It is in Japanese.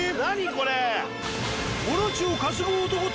これ。